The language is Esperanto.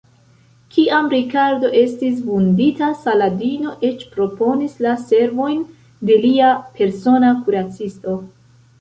Kiam Rikardo estis vundita, Saladino eĉ proponis la servojn de lia persona kuracisto.